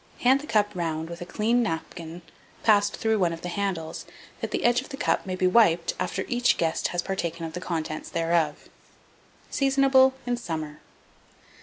Hand the cup round with a clean napkin passed through one of the handles, that the edge of the cup may be wiped after each guest has partaken of the contents thereof. Seasonable in summer.